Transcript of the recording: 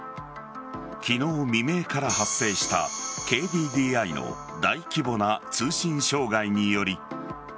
昨日未明から発生したＫＤＤＩの大規模な通信障害により